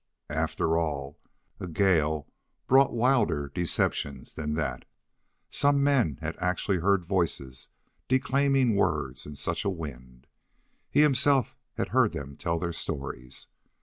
After all, a gale brought wilder deceptions than that. Some men had actually heard voices declaiming words in such a wind. He himself had heard them tell their stories.